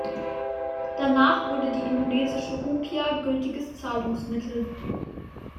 Danach wurde die indonesische Rupiah gültiges Zahlungsmittel.